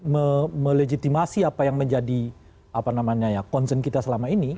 mereka melejitimasi apa yang menjadi konsen kita selama ini